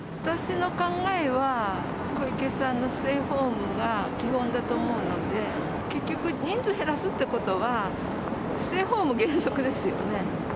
私の考えは、小池さんのステイホームが基本だと思うので、結局、人数減らすってことは、ステイホームが原則ですよね。